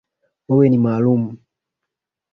Wewe ni maalumu.